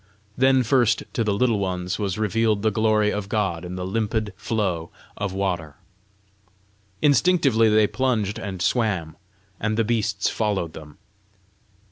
Then first to the Little Ones was revealed the glory of God in the limpid flow of water. Instinctively they plunged and swam, and the beasts followed them.